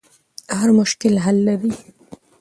هر مشکل حل لري.